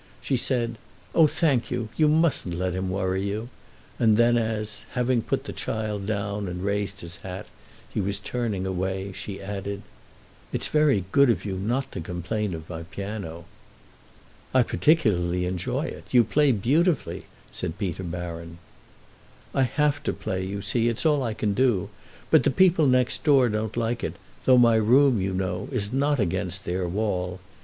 She said, "Oh, thank you—you mustn't let him worry you"; and then as, having put down the child and raised his hat, he was turning away, she added: "It's very good of you not to complain of my piano." "I particularly enjoy it—you play beautifully," said Peter Baron. "I have to play, you see—it's all I can do. But the people next door don't like it, though my room, you know, is not against their wall.